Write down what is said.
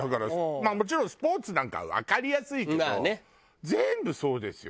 まあもちろんスポーツなんかはわかりやすいけど全部そうですよ。